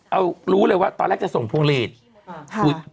เอ่อรู้เลยว่าตอนแรกจะส่งพวงศพ